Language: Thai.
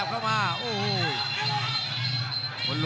คมทุกลูกจริงครับโอ้โห